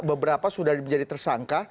beberapa sudah menjadi tersangka